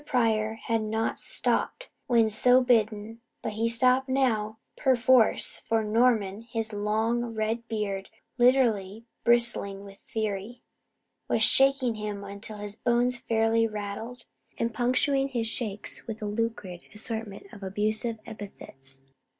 Pryor had not "stopped" when so bidden, but he stopped now, perforce, for Norman, his long red beard literally bristling with fury, was shaking him until his bones fairly rattled, and punctuating his shakes with a lurid assortment of abusive epithets.